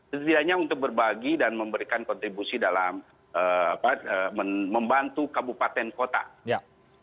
setidaknya untuk berbagi dan memberikan kontribusi dalam membantu kabupaten kota